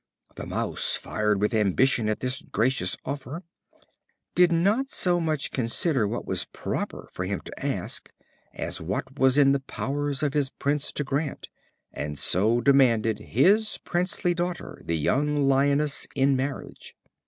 The Mouse, fired with ambition at this gracious offer, did not so much consider what was proper for him to ask, as what was in the powers of his prince to grant; and so demanded his princely daughter, the young lioness, in marriage.